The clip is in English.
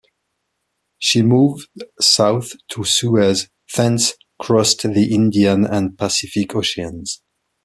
She moved south to Suez, thence crossed the Indian and Pacific Oceans.